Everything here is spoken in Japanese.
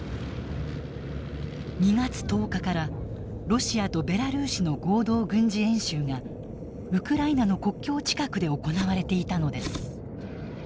２月１０日からロシアとベラルーシの合同軍事演習がウクライナの国境近くで行われていたのです。